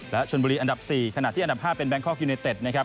และชนบุรีอันดับ๔ขณะที่อันดับ๕เป็นแกงคอกยูเนเต็ดนะครับ